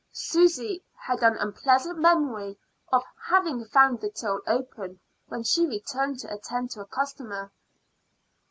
Susy had an unpleasant memory of having found the till open when she returned to attend to a customer.